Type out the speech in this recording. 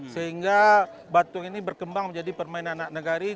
sehingga batuang ini berkembang menjadi permainan anak nagari